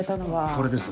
これです。